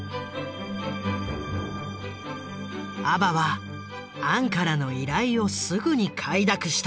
ＡＢＢＡはアンからの依頼をすぐに快諾した。